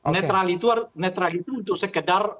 netral itu untuk sekedar